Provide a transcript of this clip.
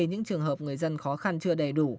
những trường hợp người dân khó khăn chưa đầy đủ